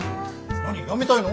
何やめたいの？